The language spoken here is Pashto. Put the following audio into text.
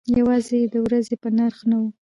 یوازې د ورځې په نرخ نه و.